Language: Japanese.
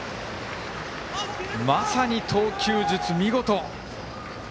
まさに投球術、見事！